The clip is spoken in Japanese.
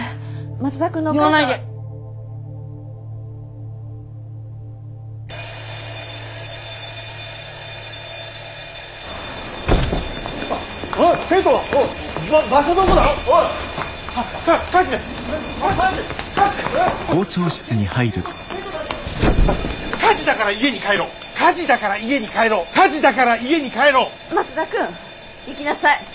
松田君行きなさい。